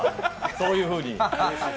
そういうふうに。